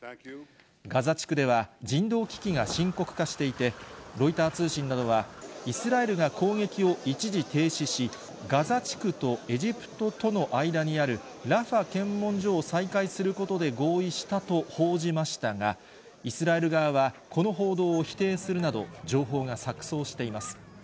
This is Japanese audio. ガザ地区では、人道危機が深刻化していて、ロイター通信などは、イスラエルが攻撃を一時停止し、ガザ地区とエジプトとの間にあるラファ検問所を再開することで合意したと報じましたが、イスラエル側はこの報道を否定するなど、情報が錯綜しています。